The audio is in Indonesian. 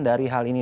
dari hal ini